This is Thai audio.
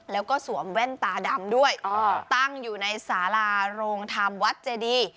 แล้วก็สวมแว่นตาดำด้วยตั้งอยู่ในสาราโรงธรรมวัดเจดี